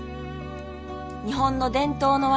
日本の伝統の技。